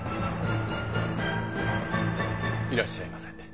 いらっしゃいませ。